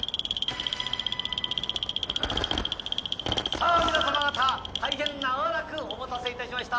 「さあ皆様方大変長らくお待たせ致しました」